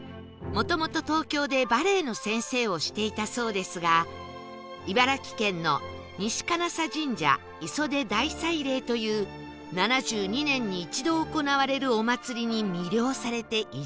もともと東京でバレエの先生をしていたそうですが茨城県の西金砂神社磯出大祭礼という７２年に一度行われるお祭りに魅了されて移住